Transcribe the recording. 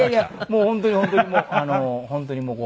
もう本当に本当にもう。